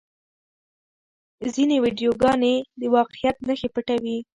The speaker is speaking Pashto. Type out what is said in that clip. ځینې ویډیوګانې د واقعیت نښې پټوي.